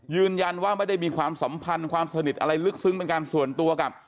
ยืนยันว่าไม่ได้มีความสัมพันธ์ความสนิทอะไรลึกซึ้งเป็นการส่วนตัวกับ